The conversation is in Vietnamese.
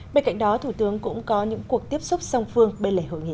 bên cạnh đó thủ tướng cũng có những cuộc tiếp xúc song phương bên lề hội nghị